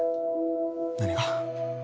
何が？